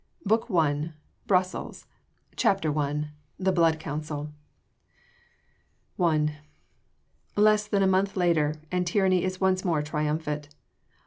BOOK ONE: BRUSSELS CHAPTER I THE BLOOD COUNCIL I Less than a month later, and tyranny is once more triumphant.